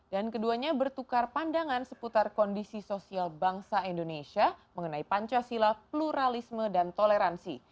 dan keduanya bertukar pandangan seputar kondisi sosial bangsa indonesia mengenai pancasila pluralisme dan toleransi